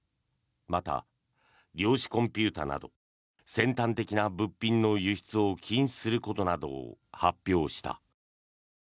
また量子コンピューターなど先端的な物品の輸出を禁止することなどを発表した。